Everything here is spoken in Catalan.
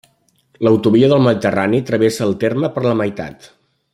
L'autovia del Mediterrani travessa el terme per la meitat.